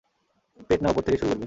পেট না ওপর থেকে শুরু করবি?